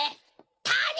「谷」！